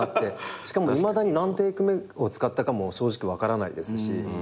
しかもいまだに何テイク目を使ったかも正直分からないですし。